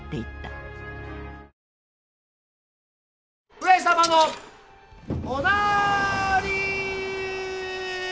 ・上様のおなーりー。